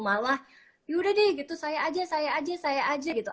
malah yaudah deh gitu saya aja saya aja saya aja gitu